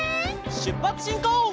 しゅっぱつしんこう！